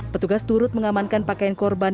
petugas turut mengamankan pakaian korban